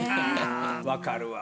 あ分かるわ。